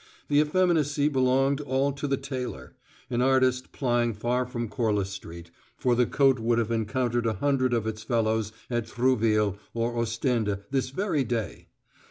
The effeminacy belonged all to the tailor, an artist plying far from Corliss Street, for the coat would have encountered a hundred of its fellows at Trouville or Ostende this very day.